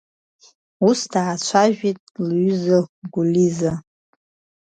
Ус даацәажәеит лҩыза Гәлиза…